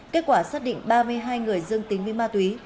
kết quả xác định ba mươi hai người dương tính với ma túy